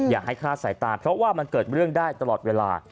อย่าให้คลาดสายตาเพราะว่ามันเกิดเรื่องได้ตลอดเวลา